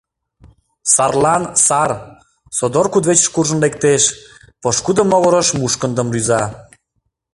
— Сарлан — сар! — содор кудывечыш куржын лектеш, пошкудо могырыш мушкындым рӱза.